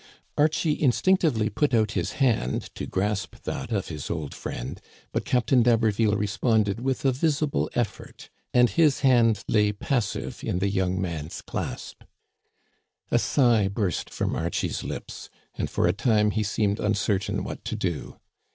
Archie instinctively put out his hand to grasp that of his old friend ; but Captain d'Haberville responded with a visible effort, and his hand lay passive in the young man's clasp. A sigh burst from Archie's lips, and for a time he seemed uncertain what to do.